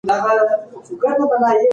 پاته وخت يي عبث تيريږي.